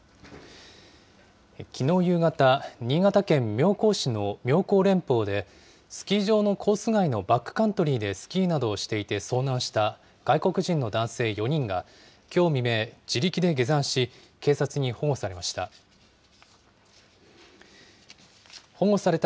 きのう夕方、新潟県妙高市の妙高連峰で、スキー場のコース外のバックカントリーでスキーなどをしていて遭難した外国人の男性４人が、きょう未明、自力で下山し、警察に保護されました。